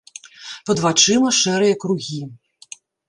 Пад вачыма шэрыя кругі.